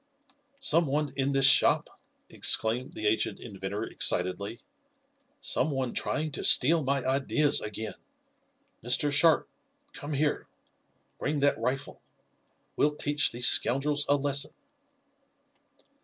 "Some one in this shop!" exclaimed the aged inventor excitedly. "Some one trying to steal my ideas again! Mr. Sharp, come here! Bring that rifle! We'll teach these scoundrels a lesson!"